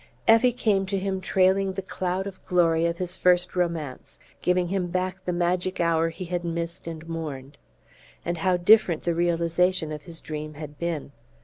Effie came to him trailing the cloud of glory of his first romance, giving him back the magic hour he had missed and mourned. And how different the realization of his dream had been!